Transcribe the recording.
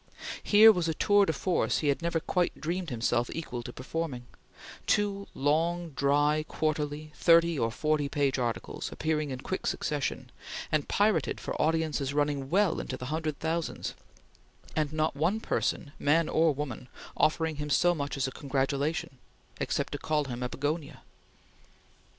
Here was a tour de force he had never dreamed himself equal to performing: two long, dry, quarterly, thirty or forty page articles, appearing in quick succession, and pirated for audiences running well into the hundred thousands; and not one person, man or woman, offering him so much as a congratulation, except to call him a begonia.